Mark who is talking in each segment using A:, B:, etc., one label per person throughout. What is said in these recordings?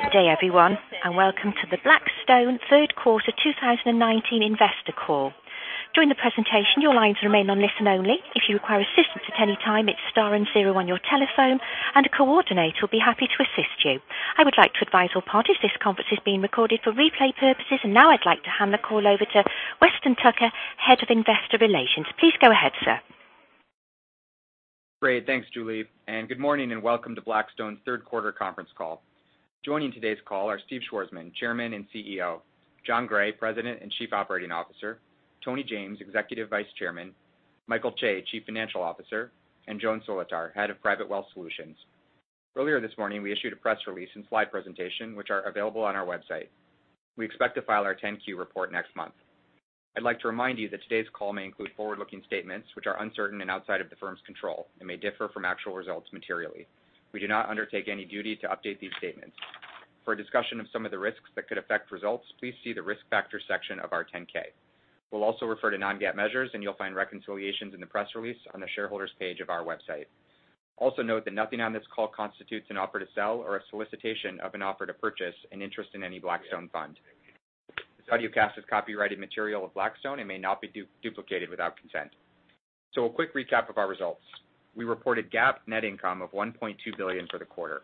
A: Good day, everyone. Welcome to the Blackstone third quarter 2019 investor call. During the presentation, your lines remain on listen only. If you require assistance at any time, it's star and zero on your telephone. A coordinator will be happy to assist you. I would like to advise all parties this conference is being recorded for replay purposes. Now I'd like to hand the call over to Weston Tucker, Head of Investor Relations. Please go ahead, sir.
B: Great. Thanks, Julie, and good morning, and welcome to Blackstone's third quarter conference call. Joining today's call are Steve Schwarzman, Chairman and CEO, Jon Gray, President and Chief Operating Officer, Tony James, Executive Vice Chairman, Michael Chae, Chief Financial Officer, and Joan Solotar, Head of Private Wealth Solutions. Earlier this morning, we issued a press release and slide presentation, which are available on our website. We expect to file our 10-Q report next month. I'd like to remind you that today's call may include forward-looking statements, which are uncertain and outside of the firm's control and may differ from actual results materially. We do not undertake any duty to update these statements. For a discussion of some of the risks that could affect results, please see the Risk Factors section of our 10-K. We'll also refer to non-GAAP measures, and you'll find reconciliations in the press release on the Shareholders page of our website. Also note that nothing on this call constitutes an offer to sell or a solicitation of an offer to purchase an interest in any Blackstone fund. This audiocast is copyrighted material of Blackstone and may not be duplicated without consent. A quick recap of our results. We reported GAAP net income of $1.2 billion for the quarter.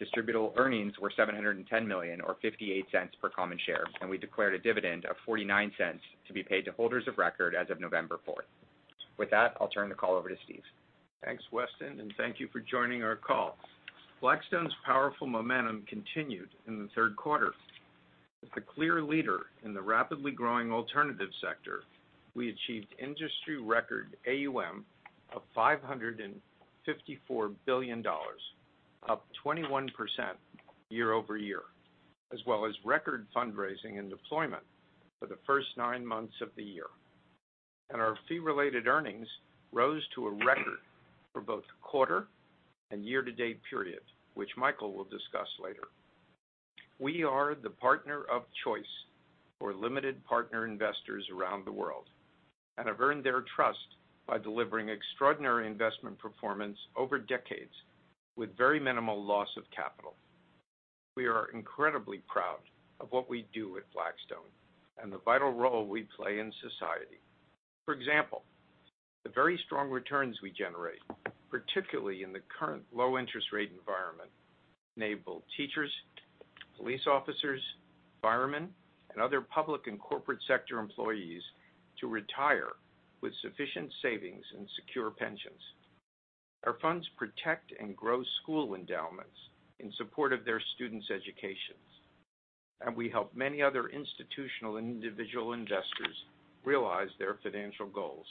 B: Distributable earnings were $710 million, or $0.58 per common share, and we declared a dividend of $0.49 to be paid to holders of record as of November 4th. With that, I'll turn the call over to Steve.
C: Thanks, Weston. Thank you for joining our call. Blackstone's powerful momentum continued in the third quarter. As the clear leader in the rapidly growing alternative sector, we achieved industry record AUM of $554 billion, up 21% year-over-year, as well as record fundraising and deployment for the first nine months of the year. Our fee-related earnings rose to a record for both the quarter and year-to-date period, which Michael will discuss later. We are the partner of choice for limited partner investors around the world and have earned their trust by delivering extraordinary investment performance over decades with very minimal loss of capital. We are incredibly proud of what we do at Blackstone and the vital role we play in society. For example, the very strong returns we generate, particularly in the current low interest rate environment, enable teachers, police officers, firemen, and other public and corporate sector employees to retire with sufficient savings and secure pensions. Our funds protect and grow school endowments in support of their students' educations. We help many other institutional and individual investors realize their financial goals.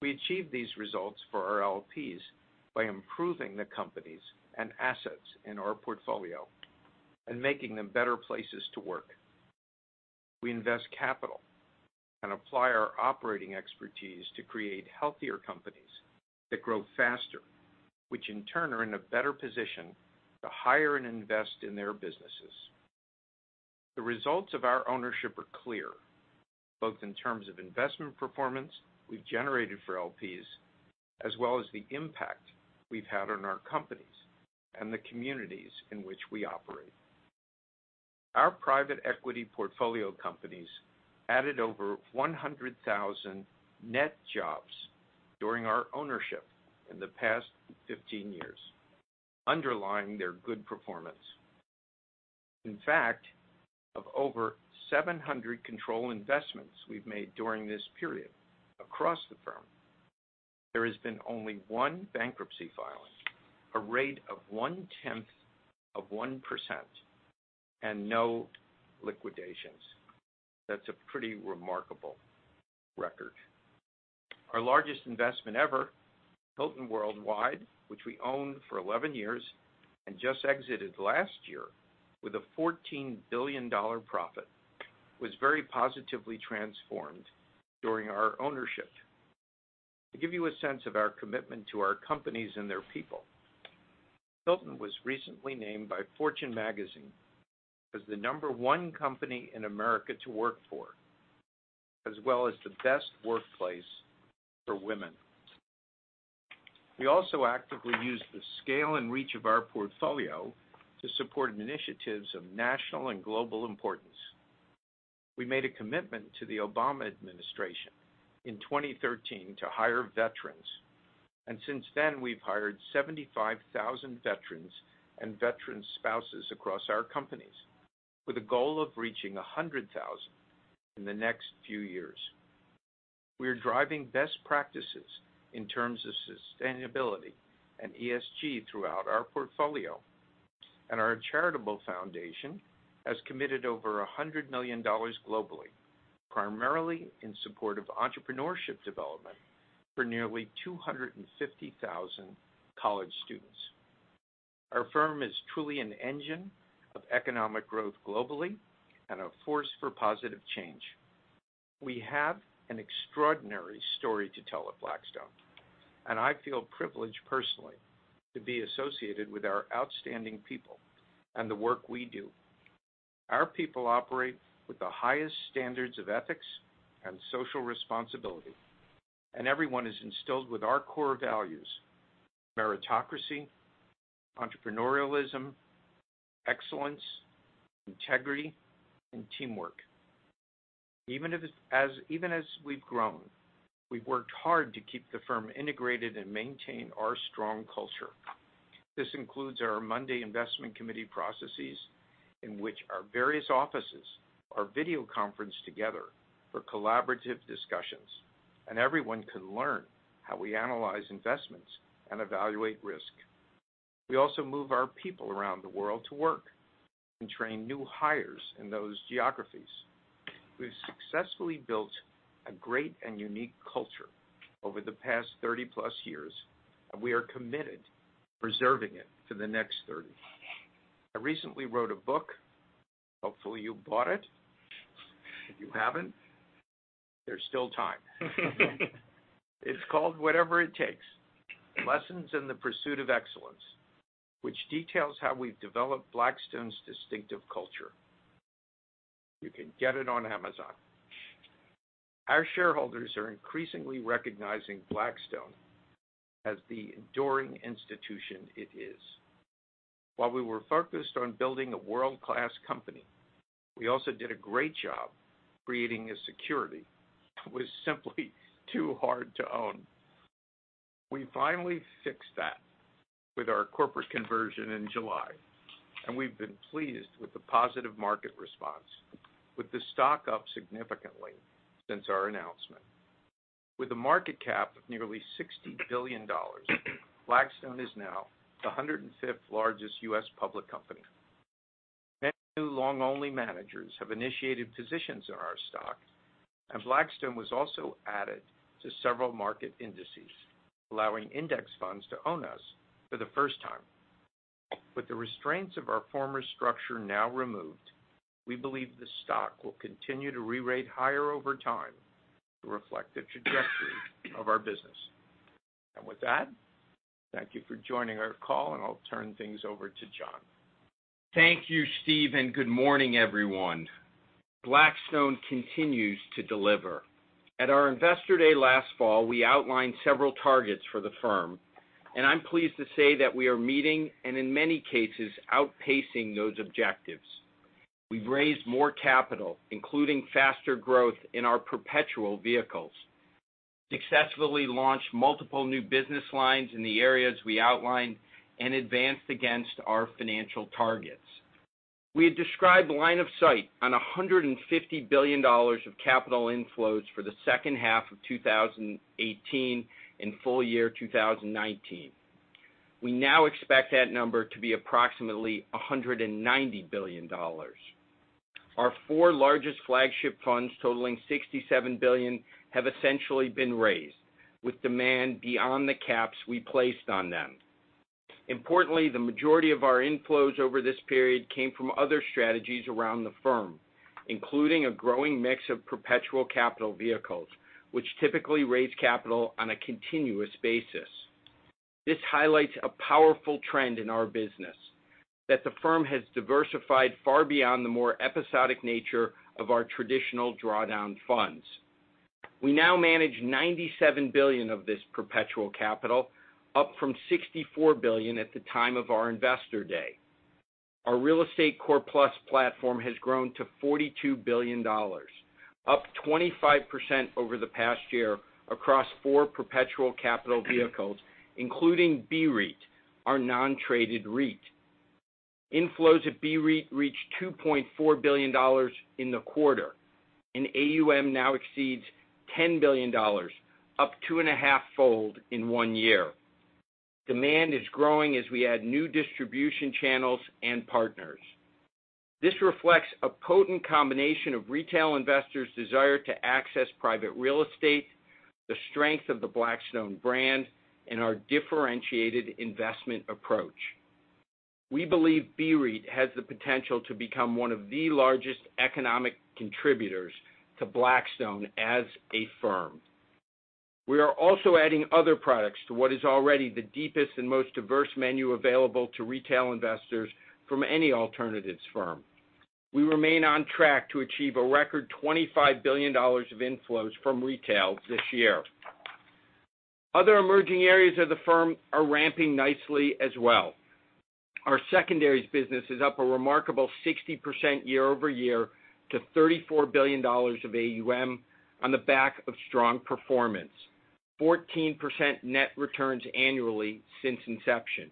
C: We achieve these results for our LPs by improving the companies and assets in our portfolio and making them better places to work. We invest capital and apply our operating expertise to create healthier companies that grow faster, which in turn are in a better position to hire and invest in their businesses. The results of our ownership are clear, both in terms of investment performance we've generated for LPs, as well as the impact we've had on our companies and the communities in which we operate. Our private equity portfolio companies added over 100,000 net jobs during our ownership in the past 15 years, underlying their good performance. In fact, of over 700 control investments we've made during this period across the firm, there has been only one bankruptcy filing, a rate of one tenth of 1%, and no liquidations. That's a pretty remarkable record. Our largest investment ever, Hilton Worldwide, which we owned for 11 years and just exited last year with a $14 billion profit, was very positively transformed during our ownership. To give you a sense of our commitment to our companies and their people, Hilton was recently named by Fortune Magazine as the number 1 company in America to work for, as well as the best workplace for women. We also actively use the scale and reach of our portfolio to support initiatives of national and global importance. We made a commitment to the Obama administration in 2013 to hire veterans. Since then, we've hired 75,000 veterans and veteran spouses across our companies with a goal of reaching 100,000 in the next few years. We are driving best practices in terms of sustainability and ESG throughout our portfolio. Our charitable foundation has committed over $100 million globally, primarily in support of entrepreneurship development for nearly 250,000 college students. Our firm is truly an engine of economic growth globally and a force for positive change. We have an extraordinary story to tell at Blackstone. I feel privileged personally to be associated with our outstanding people and the work we do. Our people operate with the highest standards of ethics and social responsibility. Everyone is instilled with our core values: meritocracy, entrepreneurialism, excellence, integrity, and teamwork. Even as we've grown, we've worked hard to keep the firm integrated and maintain our strong culture. This includes our Monday investment committee processes, in which our various offices are video conferenced together for collaborative discussions, and everyone can learn how we analyze investments and evaluate risk. We also move our people around the world to work and train new hires in those geographies. We've successfully built a great and unique culture over the past 30-plus years, and we are committed to preserving it for the next 30. I recently wrote a book. Hopefully, you bought it. If you haven't, there's still time. It's called "What It Takes: Lessons in the Pursuit of Excellence," which details how we've developed Blackstone's distinctive culture. You can get it on Amazon. Our shareholders are increasingly recognizing Blackstone as the enduring institution it is. While we were focused on building a world-class company, we also did a great job creating a security that was simply too hard to own. We finally fixed that with our corporate conversion in July, and we've been pleased with the positive market response, with the stock up significantly since our announcement. With a market cap of nearly $60 billion, Blackstone is now the 105th largest U.S. public company. Many new long-only managers have initiated positions in our stock, and Blackstone was also added to several market indices, allowing index funds to own us for the first time. With the restraints of our former structure now removed, we believe the stock will continue to rerate higher over time to reflect the trajectory of our business. With that, thank you for joining our call, and I'll turn things over to Jon.
D: Thank you, Steve, and good morning, everyone. Blackstone continues to deliver. At our Investor Day last fall, we outlined several targets for the firm, and I'm pleased to say that we are meeting, and in many cases, outpacing those objectives. We've raised more capital, including faster growth in our perpetual vehicles, successfully launched multiple new business lines in the areas we outlined, and advanced against our financial targets. We had described line of sight on $150 billion of capital inflows for the second half of 2018 and full year 2019. We now expect that number to be approximately $190 billion. Our four largest flagship funds totaling $67 billion, have essentially been raised with demand beyond the caps we placed on them. Importantly, the majority of our inflows over this period came from other strategies around the firm, including a growing mix of perpetual capital vehicles, which typically raise capital on a continuous basis. This highlights a powerful trend in our business that the firm has diversified far beyond the more episodic nature of our traditional drawdown funds. We now manage $97 billion of this perpetual capital, up from $64 billion at the time of our Investor Day. Our Real Estate Core Plus platform has grown to $42 billion, up 25% over the past year across four perpetual capital vehicles, including BREIT, our non-traded REIT. Inflows at BREIT reached $2.4 billion in the quarter, and AUM now exceeds $10 billion, up two and a half-fold in one year. Demand is growing as we add new distribution channels and partners. This reflects a potent combination of retail investors' desire to access private real estate, the strength of the Blackstone brand, and our differentiated investment approach. We believe BREIT has the potential to become one of the largest economic contributors to Blackstone as a firm. We are also adding other products to what is already the deepest and most diverse menu available to retail investors from any alternatives firm. We remain on track to achieve a record $25 billion of inflows from retail this year. Other emerging areas of the firm are ramping nicely as well. Our secondaries business is up a remarkable 60% year-over-year to $34 billion of AUM on the back of strong performance, 14% net returns annually since inception.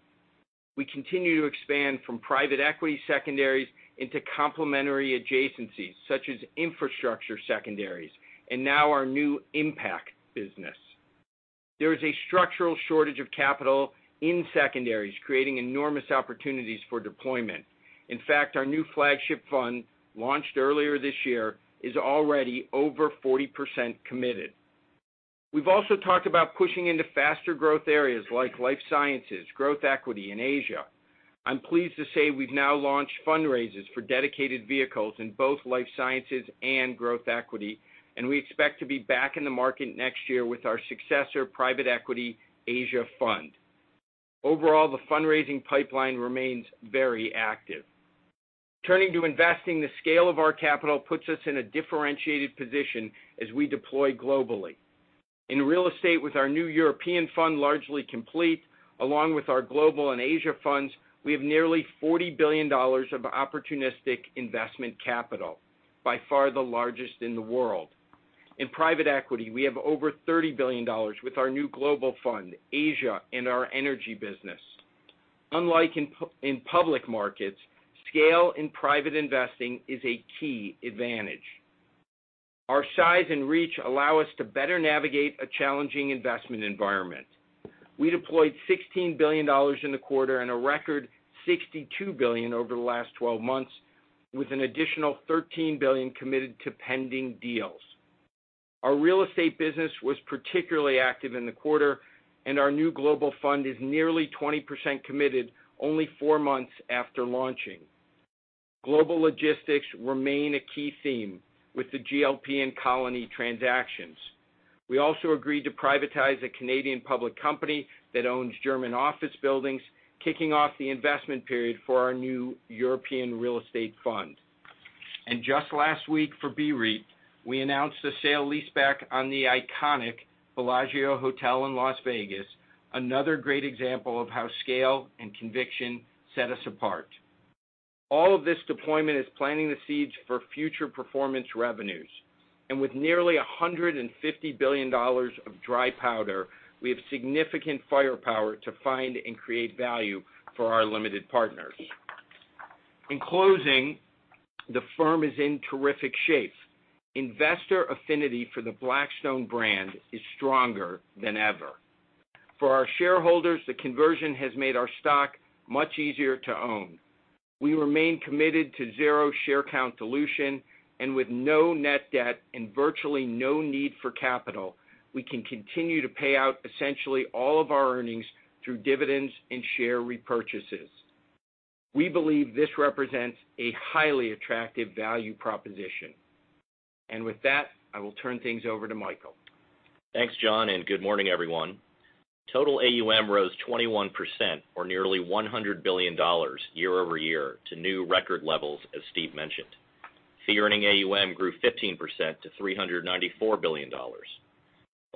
D: We continue to expand from private equity secondaries into complementary adjacencies such as infrastructure secondaries, and now our new impact business. There is a structural shortage of capital in secondaries, creating enormous opportunities for deployment. In fact, our new flagship fund, launched earlier this year, is already over 40% committed. We've also talked about pushing into faster growth areas like life sciences, growth equity in Asia. I'm pleased to say we've now launched fundraisers for dedicated vehicles in both life sciences and growth equity, and we expect to be back in the market next year with our successor Blackstone Capital Partners Asia. The fundraising pipeline remains very active. Turning to investing, the scale of our capital puts us in a differentiated position as we deploy globally. In real estate with our new European fund largely complete, along with our global and Asia funds, we have nearly $40 billion of opportunistic investment capital, by far the largest in the world. In private equity, we have over $30 billion with our new global fund, Asia and our energy business. Unlike in public markets, scale in private investing is a key advantage. Our size and reach allow us to better navigate a challenging investment environment. We deployed $16 billion in the quarter and a record $62 billion over the last 12 months, with an additional $13 billion committed to pending deals. Our real estate business was particularly active in the quarter, and our new global fund is nearly 20% committed, only four months after launching. Global logistics remain a key theme with the GLP and Colony transactions. We also agreed to privatize a Canadian public company that owns German office buildings, kicking off the investment period for our new European real estate fund. Just last week for BREIT, we announced the sale-leaseback on the iconic Bellagio Hotel in Las Vegas. Another great example of how scale and conviction set us apart. All of this deployment is planting the seeds for future performance revenues. With nearly $150 billion of dry powder, we have significant firepower to find and create value for our limited partners. In closing, the firm is in terrific shape. Investor affinity for the Blackstone brand is stronger than ever. For our shareholders, the conversion has made our stock much easier to own. We remain committed to zero share count dilution, and with no net debt and virtually no need for capital, we can continue to pay out essentially all of our earnings through dividends and share repurchases. We believe this represents a highly attractive value proposition. With that, I will turn things over to Michael.
E: Thanks, Jon, and good morning, everyone. Total AUM rose 21%, or nearly $100 billion, year-over-year to new record levels, as Steve mentioned. Fee-earning AUM grew 15% to $394 billion.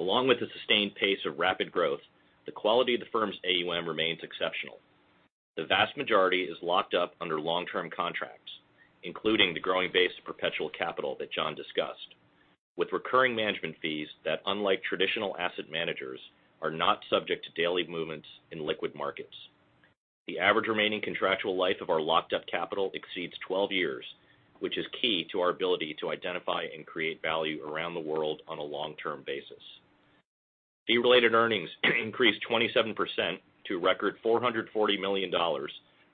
E: Along with the sustained pace of rapid growth, the quality of the firm's AUM remains exceptional. The vast majority is locked up under long-term contracts, including the growing base of perpetual capital that Jon discussed, with recurring management fees that, unlike traditional asset managers, are not subject to daily movements in liquid markets. The average remaining contractual life of our locked-up capital exceeds 12 years, which is key to our ability to identify and create value around the world on a long-term basis. Fee-related earnings increased 27% to a record $440 million,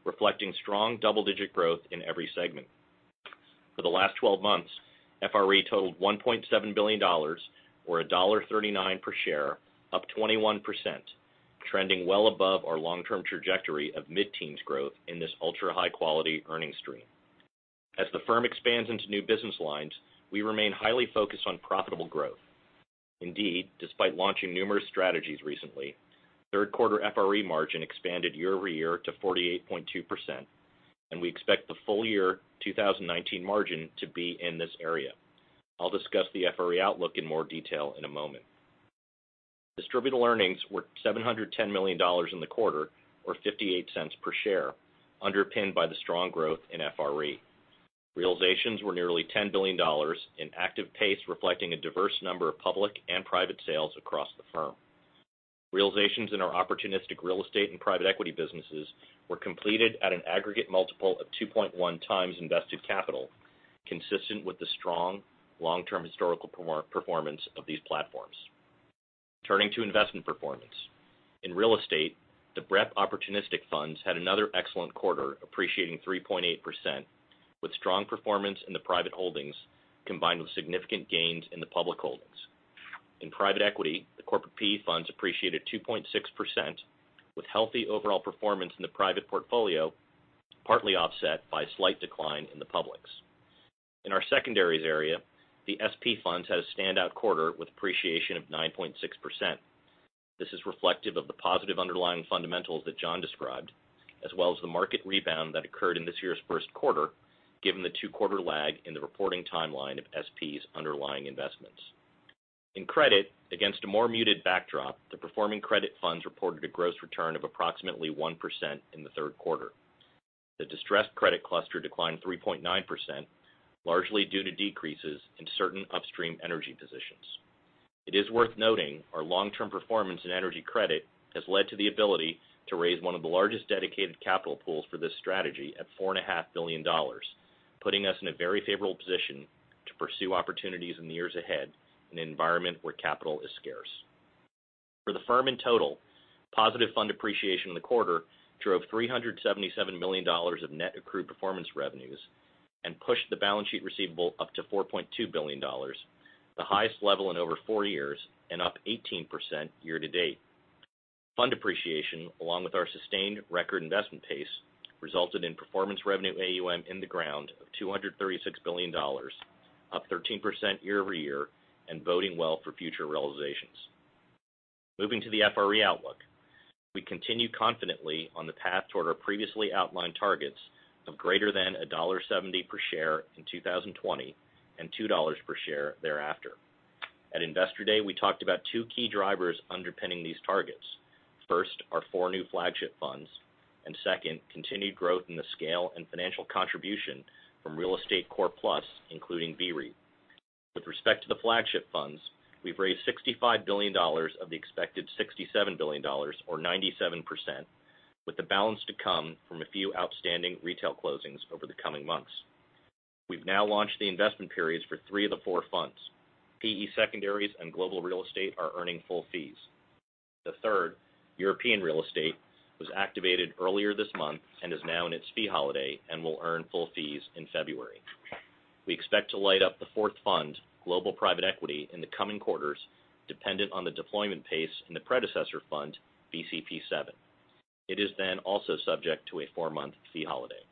E: reflecting strong double-digit growth in every segment. For the last 12 months, FRE totaled $1.7 billion, or $1.39 per share, up 21%, trending well above our long-term trajectory of mid-teens growth in this ultra-high quality earning stream. As the firm expands into new business lines, we remain highly focused on profitable growth. Indeed, despite launching numerous strategies recently, third quarter FRE margin expanded year-over-year to 48.2%, and we expect the full year 2019 margin to be in this area. I'll discuss the FRE outlook in more detail in a moment. Distributable earnings were $710 million in the quarter, or $0.58 per share, underpinned by the strong growth in FRE. Realizations were nearly $10 billion, an active pace reflecting a diverse number of public and private sales across the firm. Realizations in our opportunistic real estate and private equity businesses were completed at an aggregate multiple of 2.1x invested capital, consistent with the strong long-term historical performance of these platforms. Turning to investment performance. In real estate, the BREP opportunistic funds had another excellent quarter, appreciating 3.8%, with strong performance in the private holdings combined with significant gains in the public holdings. In private equity, the corporate P funds appreciated 2.6%, with healthy overall performance in the private portfolio, partly offset by a slight decline in the public's. In our secondaries area, the SP funds had a standout quarter with appreciation of 9.6%. This is reflective of the positive underlying fundamentals that Jon described, as well as the market rebound that occurred in this year's first quarter, given the two-quarter lag in the reporting timeline of SP's underlying investments. In credit, against a more muted backdrop, the performing credit funds reported a gross return of approximately 1% in the third quarter. The distressed credit cluster declined 3.9%, largely due to decreases in certain upstream energy positions. It is worth noting our long-term performance in energy credit has led to the ability to raise one of the largest dedicated capital pools for this strategy at $4.5 billion, putting us in a very favorable position to pursue opportunities in the years ahead in an environment where capital is scarce. For the firm in total, positive fund appreciation in the quarter drove $377 million of net accrued performance revenues and pushed the balance sheet receivable up to $4.2 billion, the highest level in over four years and up 18% year to date. Fund appreciation, along with our sustained record investment pace, resulted in performance revenue AUM in the ground of $236 billion. Up 13% year-over-year and boding well for future realizations. Moving to the FRE outlook. We continue confidently on the path toward our previously outlined targets of greater than $1.70 per share in 2020, and $2 per share thereafter. At Investor Day, we talked about two key drivers underpinning these targets. First, our four new flagship funds, second, continued growth in the scale and financial contribution from Real Estate Core Plus, including BREIT. With respect to the flagship funds, we've raised $65 billion of the expected $67 billion, or 97%, with the balance to come from a few outstanding retail closings over the coming months. We've now launched the investment periods for three of the four funds. PE Secondaries and Global Real Estate are earning full fees. The third, European Real Estate, was activated earlier this month and is now in its fee holiday, and will earn full fees in February. We expect to light up the fourth fund, Global Private Equity, in the coming quarters, dependent on the deployment pace in the predecessor fund, BCP7. It is then also subject to a four-month fee holiday.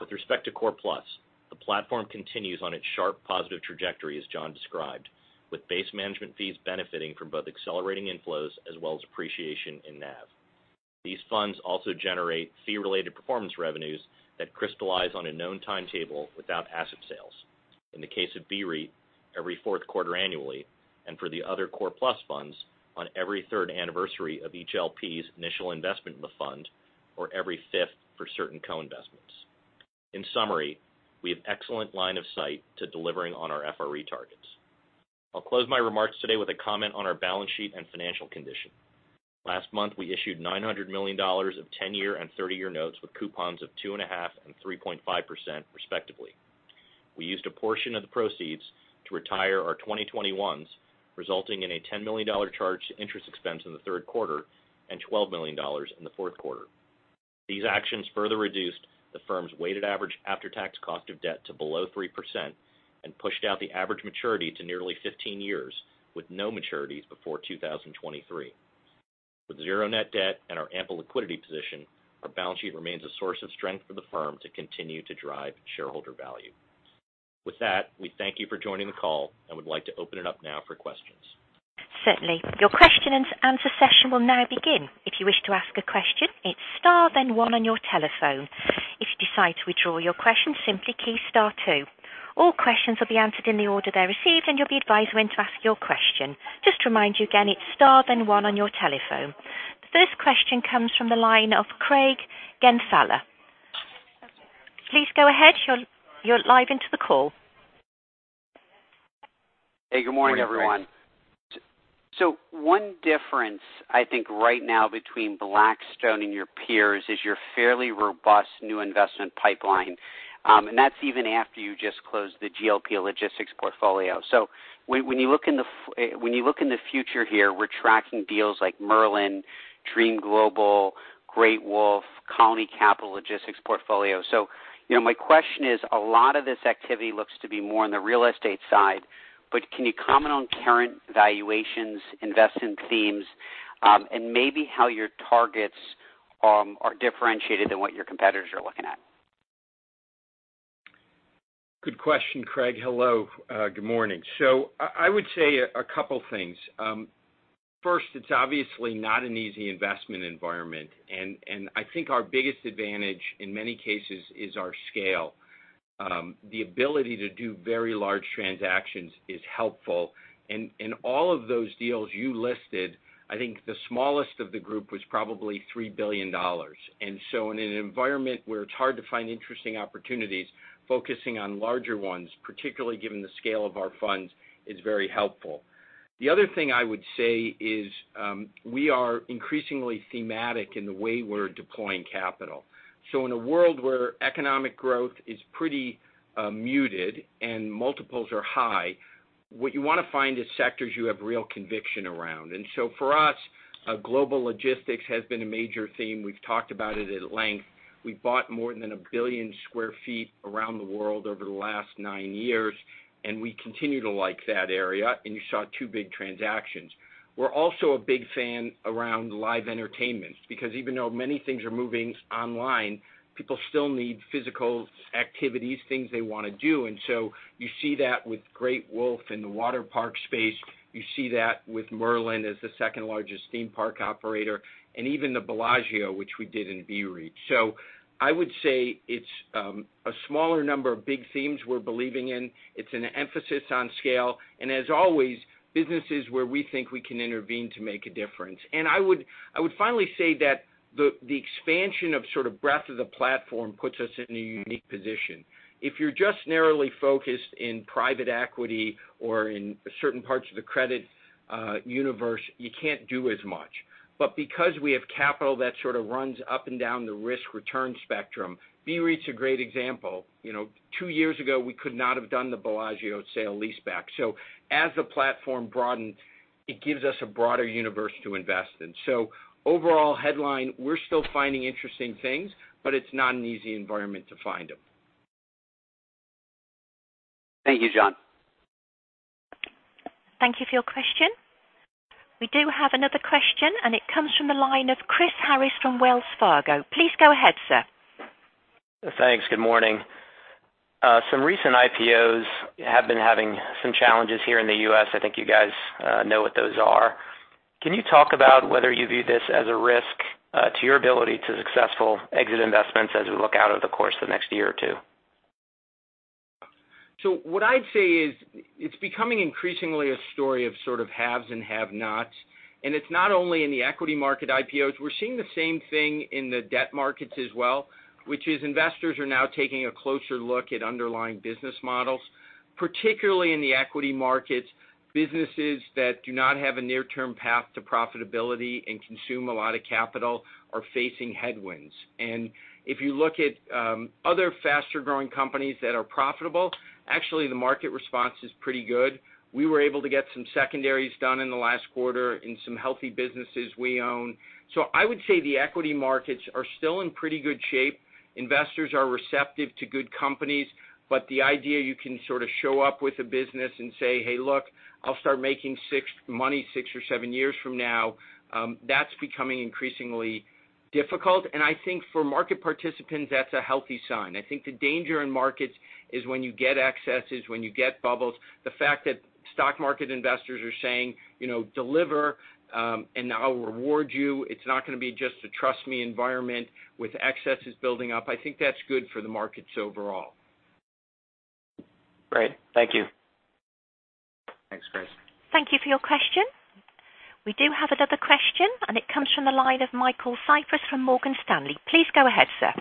E: With respect to Core Plus, the platform continues on its sharp positive trajectory as Jon described, with base management fees benefiting from both accelerating inflows as well as appreciation in NAV. These funds also generate fee-related performance revenues that crystallize on a known timetable without asset sales. In the case of BREIT, every fourth quarter annually, and for the other Core Plus funds, on every third anniversary of each LP's initial investment in the fund, or every fifth for certain co-investments. In summary, we have excellent line of sight to delivering on our FRE targets. I'll close my remarks today with a comment on our balance sheet and financial condition. Last month, we issued $900 million of 10-year and 30-year notes with coupons of 2.5% and 3.5% respectively. We used a portion of the proceeds to retire our 2021s, resulting in a $10 million charge to interest expense in the third quarter and $12 million in the fourth quarter. These actions further reduced the firm's weighted average after-tax cost of debt to below 3% and pushed out the average maturity to nearly 15 years, with no maturities before 2023. With zero net debt and our ample liquidity position, our balance sheet remains a source of strength for the firm to continue to drive shareholder value. With that, we thank you for joining the call and would like to open it up now for questions.
A: Certainly. Your question and answer session will now begin. If you wish to ask a question, hit star then one on your telephone. If you decide to withdraw your question, simply key star two. All questions will be answered in the order they're received, and you'll be advised when to ask your question. Just to remind you again, it's star then one on your telephone. The first question comes from the line of Craig Siegenthaler. Please go ahead. You're live into the call.
F: Hey, good morning, everyone.
E: Morning, Craig.
F: One difference, I think, right now between Blackstone and your peers is your fairly robust new investment pipeline. That's even after you just closed the GLP logistics portfolio. When you look in the future here, we're tracking deals like Merlin, Dream Global, Great Wolf, Colony Capital Logistics portfolio. My question is, a lot of this activity looks to be more on the real estate side, but can you comment on current valuations, investment themes, and maybe how your targets are differentiated than what your competitors are looking at?
D: Good question, Craig. Hello. Good morning. I would say a couple things. First, it's obviously not an easy investment environment. I think our biggest advantage, in many cases, is our scale. The ability to do very large transactions is helpful. In all of those deals you listed, I think the smallest of the group was probably $3 billion. In an environment where it's hard to find interesting opportunities, focusing on larger ones, particularly given the scale of our funds, is very helpful. The other thing I would say is we are increasingly thematic in the way we're deploying capital. In a world where economic growth is pretty muted and multiples are high, what you want to find is sectors you have real conviction around. For us, global logistics has been a major theme. We've talked about it at length. We've bought more than 1 billion square feet around the world over the last nine years. We continue to like that area. You saw two big transactions. We're also a big fan around live entertainment because even though many things are moving online, people still need physical activities, things they want to do. You see that with Great Wolf in the water park space, you see that with Merlin as the second largest theme park operator, even the Bellagio, which we did in BREIT. I would say it's a smaller number of big themes we're believing in. It's an emphasis on scale, as always, businesses where we think we can intervene to make a difference. I would finally say that the expansion of sort of breadth of the platform puts us in a unique position. If you're just narrowly focused in private equity or in certain parts of the credit universe, you can't do as much. Because we have capital that sort of runs up and down the risk-return spectrum, BREIT's a great example. Two years ago, we could not have done the Bellagio sale-leaseback. As the platform broadened, it gives us a broader universe to invest in. Overall headline, we're still finding interesting things, but it's not an easy environment to find them.
F: Thank you, Jon.
A: Thank you for your question. We do have another question, and it comes from the line of Chris Harris from Wells Fargo. Please go ahead, sir.
G: Thanks. Good morning. Some recent IPOs have been having some challenges here in the U.S. I think you guys know what those are. Can you talk about whether you view this as a risk to your ability to successful exit investments as we look out over the course of the next year or two?
D: What I'd say is it's becoming increasingly a story of sort of haves and have-nots, and it's not only in the equity market IPOs. We're seeing the same thing in the debt markets as well, which is investors are now taking a closer look at underlying business models. Particularly in the equity markets, businesses that do not have a near-term path to profitability and consume a lot of capital are facing headwinds. If you look at other faster-growing companies that are profitable, actually the market response is pretty good. We were able to get some secondaries done in the last quarter in some healthy businesses we own. I would say the equity markets are still in pretty good shape. Investors are receptive to good companies. The idea you can sort of show up with a business and say, "Hey, look, I'll start making money six or seven years from now," that's becoming increasingly difficult. I think for market participants, that's a healthy sign. I think the danger in markets is when you get excesses, when you get bubbles. The fact that stock market investors are saying, "Deliver, and I'll reward you, it's not going to be just a trust me environment with excesses building up," I think that's good for the markets overall.
G: Great. Thank you.
D: Thanks, Chris.
A: Thank you for your question. We do have another question, and it comes from the line of Michael Cyprys from Morgan Stanley. Please go ahead, sir.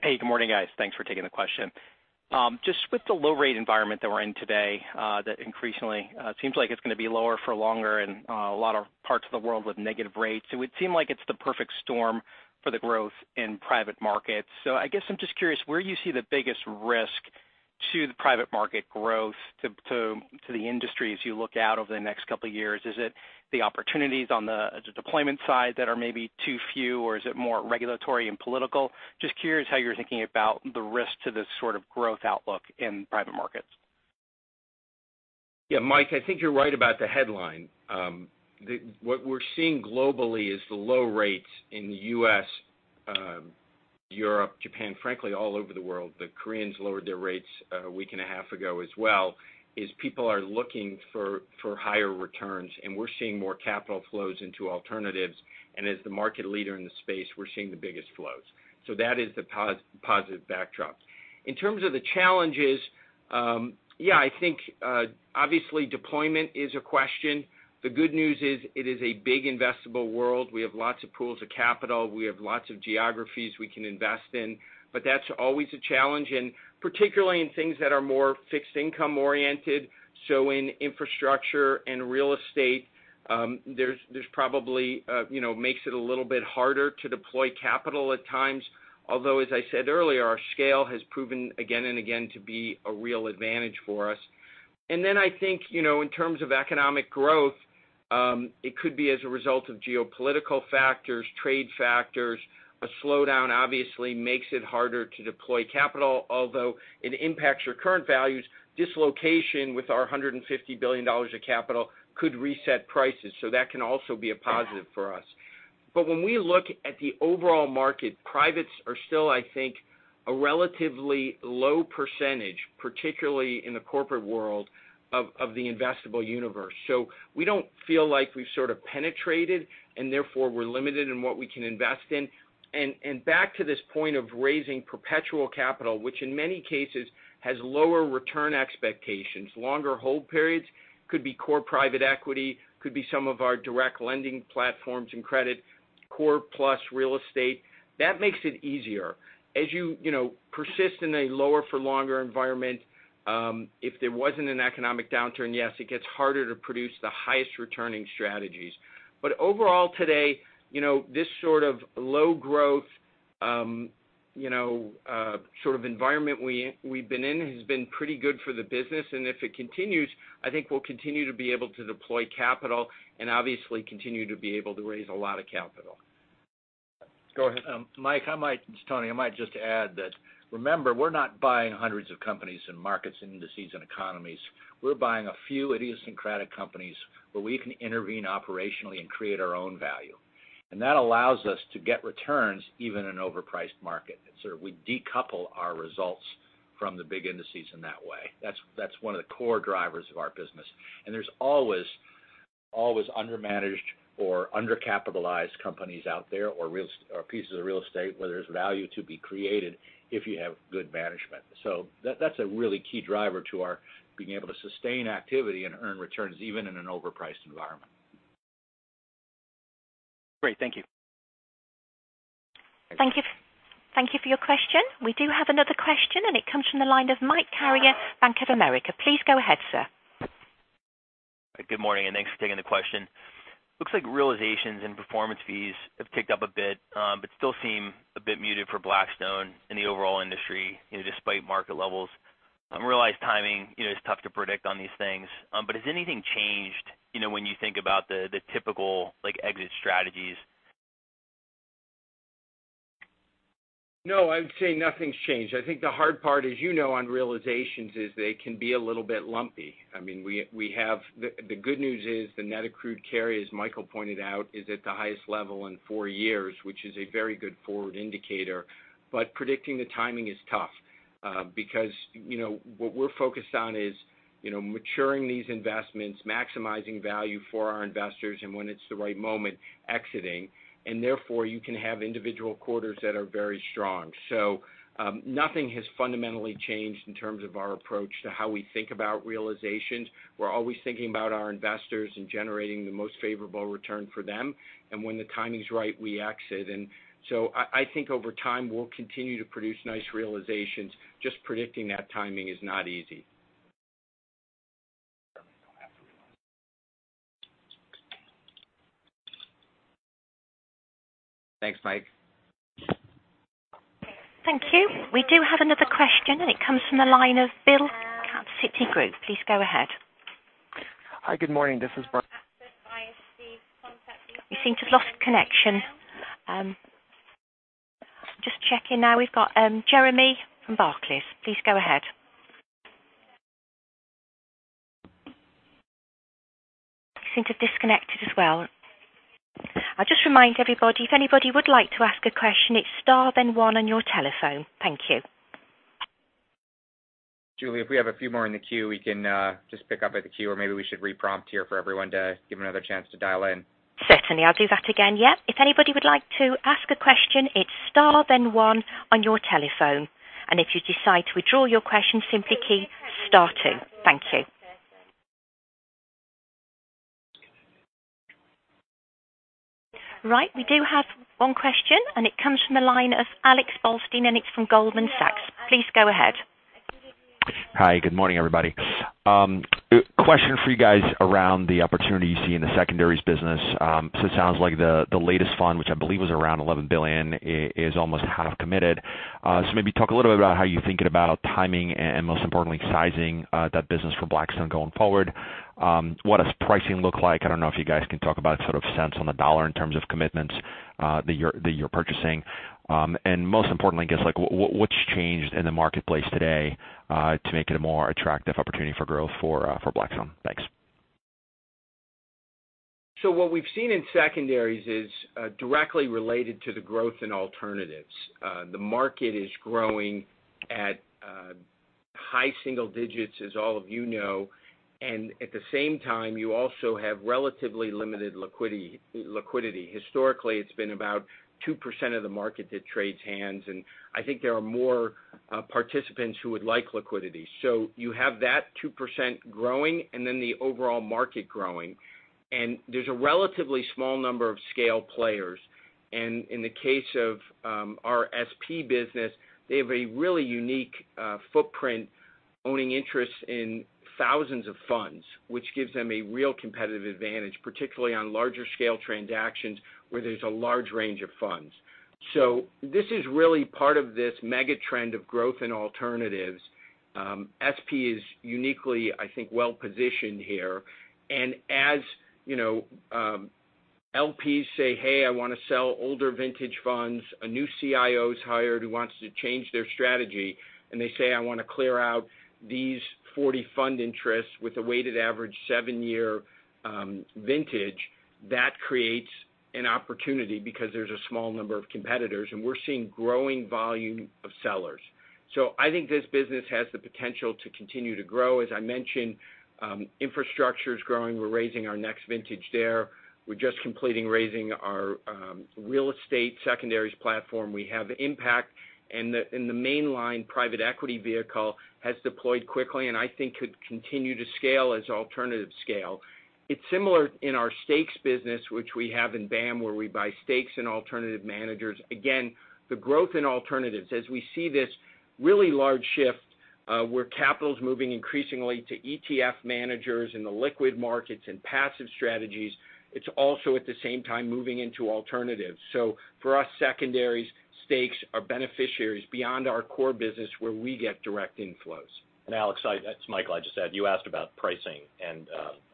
H: Hey, good morning, guys. Thanks for taking the question. Just with the low rate environment that we're in today, that increasingly seems like it's going to be lower for longer and a lot of parts of the world with negative rates, it would seem like it's the perfect storm for the growth in private markets. I guess I'm just curious where you see the biggest risk to the private market growth to the industry as you look out over the next couple of years. Is it the opportunities on the deployment side that are maybe too few, or is it more regulatory and political? Just curious how you're thinking about the risk to this sort of growth outlook in private markets.
D: Yeah, Mike, I think you're right about the headline. What we're seeing globally is the low rates in the U.S., Europe, Japan, frankly, all over the world, the Koreans lowered their rates a week and a half ago as well, is people are looking for higher returns, and we're seeing more capital flows into alternatives. As the market leader in the space, we're seeing the biggest flows. That is the positive backdrop. In terms of the challenges, yeah, I think, obviously deployment is a question. The good news is it is a big investable world. We have lots of pools of capital. We have lots of geographies we can invest in, but that's always a challenge, and particularly in things that are more fixed income oriented. In infrastructure and real estate, there's probably makes it a little bit harder to deploy capital at times. Although as I said earlier, our scale has proven again and again to be a real advantage for us. Then I think, in terms of economic growth, it could be as a result of geopolitical factors, trade factors. A slowdown obviously makes it harder to deploy capital. Although it impacts your current values, dislocation with our $150 billion of capital could reset prices. That can also be a positive for us. When we look at the overall market, privates are still, I think, a relatively low percentage, particularly in the corporate world of the investable universe. We don't feel like we've sort of penetrated and therefore we're limited in what we can invest in. Back to this point of raising perpetual capital, which in many cases has lower return expectations, longer hold periods, could be core private equity, could be some of our direct lending platforms and credit, Real Estate Core Plus. That makes it easier. As you persist in a lower for longer environment, if there wasn't an economic downturn, yes, it gets harder to produce the highest returning strategies. Overall, today, this sort of low growth sort of environment we've been in has been pretty good for the business. If it continues, I think we'll continue to be able to deploy capital and obviously continue to be able to raise a lot of capital.
I: Go ahead. Mike, it's Tony. I might just add that, remember, we're not buying hundreds of companies and markets, indices, and economies. We're buying a few idiosyncratic companies where we can intervene operationally and create our own value. That allows us to get returns, even in an overpriced market. We decouple our results from the big indices in that way. That's one of the core drivers of our business. There's always undermanaged or undercapitalized companies out there, or pieces of real estate where there's value to be created if you have good management. That's a really key driver to our being able to sustain activity and earn returns, even in an overpriced environment.
H: Great. Thank you.
A: Thank you for your question. We do have another question, and it comes from the line of Michael Carrier, Bank of America. Please go ahead, sir.
J: Good morning. Thanks for taking the question. Looks like realizations and performance fees have ticked up a bit, but still seem a bit muted for Blackstone in the overall industry despite market levels. I realize timing is tough to predict on these things, but has anything changed when you think about the typical exit strategies?
D: No, I would say nothing's changed. I think the hard part, as you know, on realizations is they can be a little bit lumpy. The good news is the net accrued carry, as Michael pointed out, is at the highest level in four years, which is a very good forward indicator. Predicting the timing is tough because what we're focused on is maturing these investments, maximizing value for our investors, and when it's the right moment, exiting. Therefore, you can have individual quarters that are very strong. Nothing has fundamentally changed in terms of our approach to how we think about realizations. We're always thinking about our investors and generating the most favorable return for them. When the timing's right, we exit. I think over time, we'll continue to produce nice realizations. Just predicting that timing is not easy.
E: Thanks, Mike.
A: Thank you. We do have another question, and it comes from the line of Bill, Citigroup. Please go ahead.
K: Hi. Good morning. This is.
A: We seem to have lost connection. Just checking now. We've got Jeremy from Barclays. Please go ahead. Seem to have disconnected as well. I'll just remind everybody, if anybody would like to ask a question, it's star then one on your telephone. Thank you.
E: Julie, if we have a few more in the queue, we can just pick up at the queue, or maybe we should re-prompt here for everyone to give another chance to dial in.
A: Certainly, I'll do that again. Yeah. If anybody would like to ask a question, it's star then one on your telephone. If you decide to withdraw your question, simply key star two. Thank you. Right. We do have one question, and it comes from the line of Alex Blostein, and it's from Goldman Sachs. Please go ahead.
L: Hi. Good morning, everybody. Question for you guys around the opportunity you see in the secondaries business. It sounds like the latest fund, which I believe was around $11 billion, is almost half committed. Maybe talk a little bit about how you're thinking about timing and most importantly, sizing that business for Blackstone going forward. What does pricing look like? I don't know if you guys can talk about sort of cents on the dollar in terms of commitments that you're purchasing. Most importantly, I guess, what's changed in the marketplace today to make it a more attractive opportunity for growth for Blackstone? Thanks.
D: What we've seen in secondaries is directly related to the growth in alternatives. The market is growing at high single digits, as all of you know, and at the same time, you also have relatively limited liquidity. Historically, it's been about 2% of the market that trades hands, and I think there are more participants who would like liquidity. You have that 2% growing and then the overall market growing, and there's a relatively small number of scale players. In the case of our SP business, they have a really unique footprint owning interests in thousands of funds, which gives them a real competitive advantage, particularly on larger scale transactions where there's a large range of funds. This is really part of this mega trend of growth in alternatives. SP is uniquely, I think, well-positioned here. As LPs say, "Hey, I want to sell older vintage funds," a new CIO is hired who wants to change their strategy, and they say, "I want to clear out these 40 fund interests with a weighted average seven-year vintage," that creates an opportunity because there's a small number of competitors, and we're seeing growing volume of sellers. I think this business has the potential to continue to grow. As I mentioned, infrastructure is growing. We're raising our next vintage there. We're just completing raising our real estate secondaries platform. We have impact, and the main line private equity vehicle has deployed quickly, and I think could continue to scale as alternatives scale. It's similar in our stakes business, which we have in BAM, where we buy stakes in alternative managers. The growth in alternatives, as we see this really large shift, where capital is moving increasingly to ETF managers in the liquid markets and passive strategies, it's also at the same time moving into alternatives. For us, secondaries stakes are beneficiaries beyond our core business where we get direct inflows.
E: Alex, it's Michael. I just said you asked about pricing, and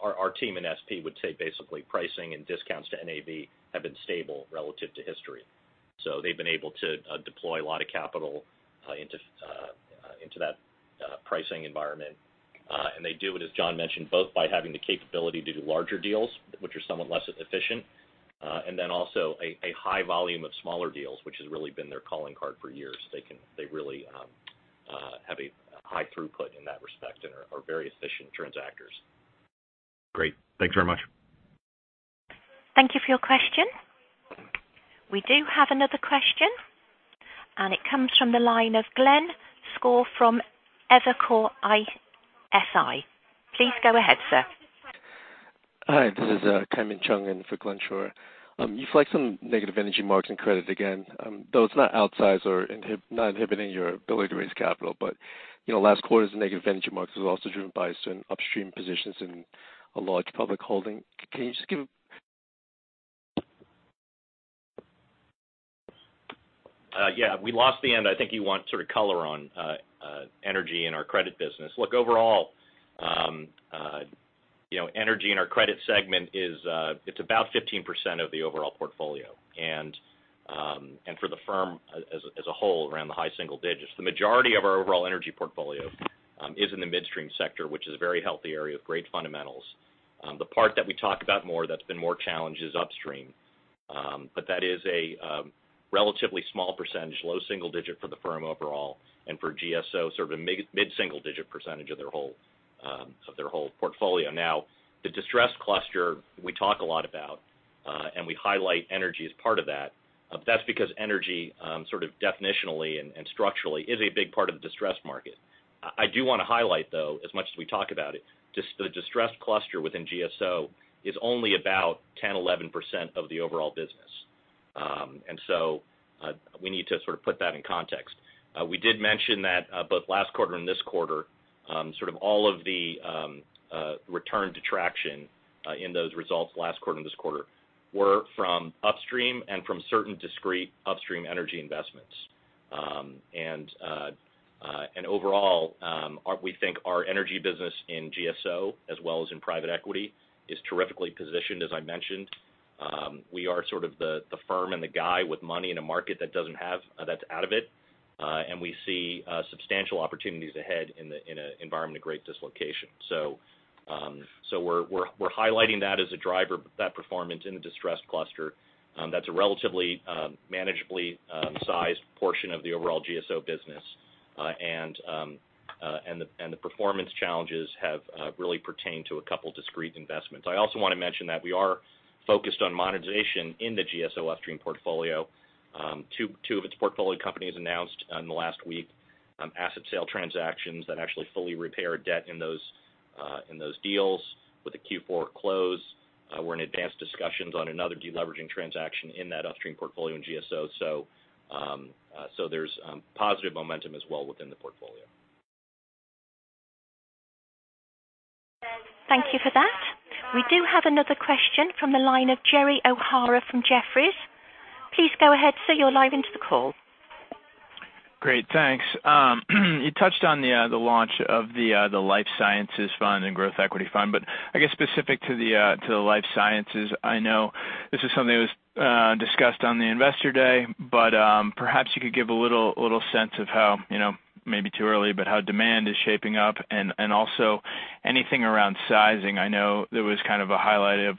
E: our team in SP would say basically pricing and discounts to NAV have been stable relative to history. They've been able to deploy a lot of capital into that pricing environment. They do it, as Jon mentioned, both by having the capability to do larger deals, which are somewhat less efficient, and then also a high volume of smaller deals, which has really been their calling card for years. They really have a high throughput in that respect and are very efficient transactors.
L: Great. Thanks very much.
A: Thank you for your question. We do have another question, and it comes from the line of Glenn Schorr from Evercore ISI. Please go ahead, sir.
M: Hi, this is Kaimon Chung in for Glenn Schorr. You flagged some negative energy marks in credit again, though it's not outsized or not inhibiting your ability to raise capital. Last quarter's negative energy marks was also driven by certain upstream positions in a large public holding. Can you just give?
E: Yeah, we lost the end. I think you want sort of color on energy in our credit business. Look, overall energy in our credit segment is about 15% of the overall portfolio. For the firm as a whole, around the high single digits. The majority of our overall energy portfolio is in the midstream sector, which is a very healthy area with great fundamentals. The part that we talk about more that's been more challenged is upstream. That is a relatively small percentage, low single digit for the firm overall, and for GSO, sort of a mid-single digit percentage of their whole portfolio. Now, the distressed cluster we talk a lot about, and we highlight energy as part of that. That's because energy sort of definitionally and structurally is a big part of the distressed market. I do want to highlight, though, as much as we talk about it, the distressed cluster within GSO is only about 10%, 11% of the overall business. We need to sort of put that in context. We did mention that both last quarter and this quarter, sort of all of the return to traction in those results last quarter and this quarter were from upstream and from certain discrete upstream energy investments. Overall, we think our energy business in GSO, as well as in private equity, is terrifically positioned, as I mentioned. We are sort of the firm and the guy with money in a market that's out of it. We see substantial opportunities ahead in an environment of great dislocation. We're highlighting that as a driver, that performance in the distressed cluster. That's a relatively manageably sized portion of the overall GSO business. The performance challenges have really pertained to a couple discrete investments. I also want to mention that we are focused on monetization in the GSO upstream portfolio. Two of its portfolio companies announced in the last week asset sale transactions that actually fully repair debt in those deals with a Q4 close. We're in advanced discussions on another de-leveraging transaction in that upstream portfolio in GSO. There's positive momentum as well within the portfolio.
A: Thank you for that. We do have another question from the line of Jerry O'Hara from Jefferies. Please go ahead, sir. You are live into the call.
N: Great. Thanks. You touched on the launch of the life sciences fund and growth equity fund, but I guess specific to the life sciences, I know this is something that was discussed on the investor day, but perhaps you could give a little sense of how, maybe too early, but how demand is shaping up. Also anything around sizing. I know there was kind of a highlight of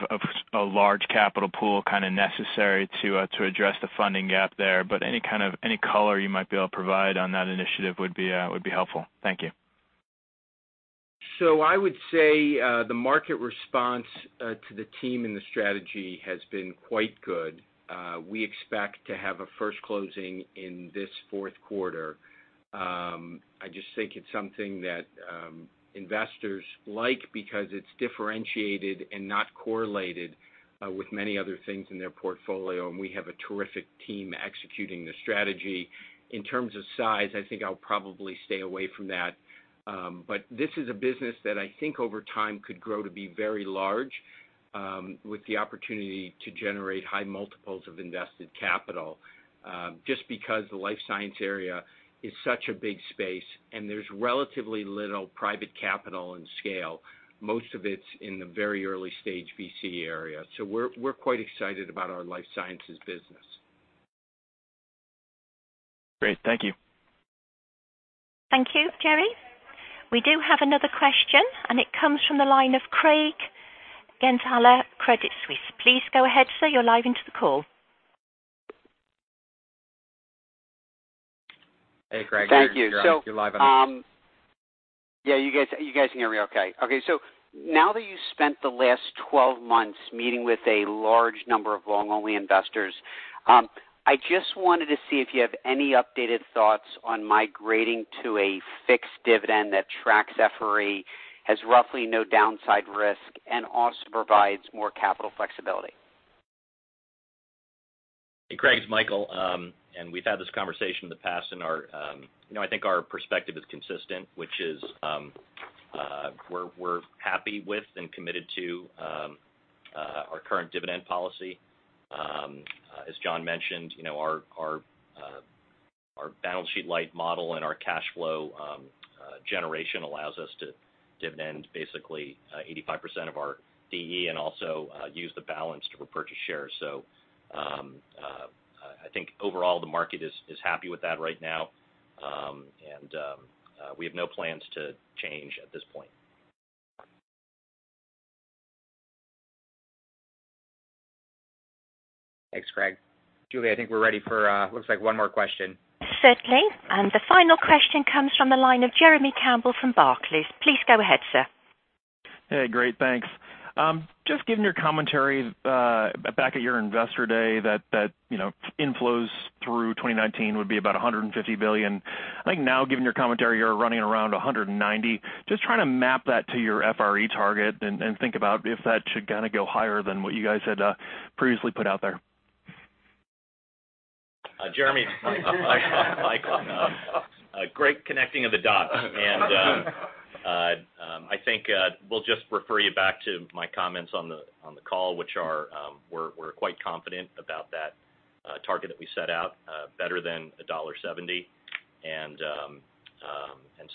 N: a large capital pool kind of necessary to address the funding gap there. Any color you might be able to provide on that initiative would be helpful. Thank you.
D: I would say the market response to the team and the strategy has been quite good. We expect to have a first closing in this fourth quarter. I just think it's something that investors like because it's differentiated and not correlated with many other things in their portfolio, and we have a terrific team executing the strategy. In terms of size, I think I'll probably stay away from that. This is a business that I think over time could grow to be very large with the opportunity to generate high multiples of invested capital. Just because the life science area is such a big space and there's relatively little private capital and scale. Most of it's in the very early stage VC area. We're quite excited about our life sciences business.
N: Great. Thank you.
A: Thank you, Jerry. We do have another question, and it comes from the line of Craig Siegenthaler, Credit Suisse. Please go ahead, sir. You're live into the call.
E: Hey, Craig.
F: Thank you.
E: You're live on the.
F: Yeah, you guys can hear me okay. Okay. Now that you spent the last 12 months meeting with a large number of long-only investors, I just wanted to see if you have any updated thoughts on migrating to a fixed dividend that tracks FRE, has roughly no downside risk, and also provides more capital flexibility.
E: Hey, Craig, it's Michael, and we've had this conversation in the past, and I think our perspective is consistent, which is we're happy with and committed to our current dividend policy. As Jon mentioned, our balance sheet light model and our cash flow generation allows us to dividend basically 85% of our DE and also use the balance to repurchase shares. I think overall the market is happy with that right now. We have no plans to change at this point.
B: Thanks, Craig. Julie, I think we're ready for looks like one more question.
A: Certainly. The final question comes from the line of Jeremy Campbell from Barclays. Please go ahead, sir.
K: Hey. Great. Thanks. Just given your commentary back at your investor day that inflows through 2019 would be about $150 billion. I think now given your commentary, you're running around $190 billion. Just trying to map that to your FRE target and think about if that should kind of go higher than what you guys had previously put out there.
E: Jeremy Michael. Great connecting of the dots. I think we'll just refer you back to my comments on the call, which are we're quite confident about that target that we set out, better than $1.70.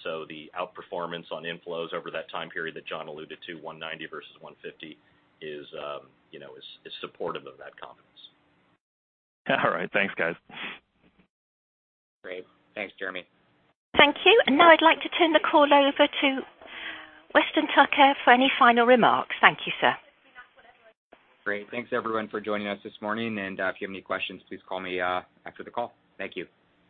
E: So the outperformance on inflows over that time period that Jon alluded to, 190 versus 150, is supportive of that confidence.
K: All right. Thanks, guys.
B: Great. Thanks, Jeremy.
A: Thank you. Now I'd like to turn the call over to Weston Tucker for any final remarks. Thank you, sir.
B: Great. Thanks everyone for joining us this morning. If you have any questions, please call me after the call. Thank you.